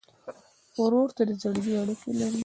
ورور ته د زړګي اړیکه لرې.